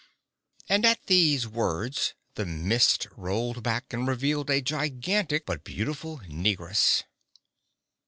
And at these words the mist rolled back and revealed a gigantic, but beautiful, negress.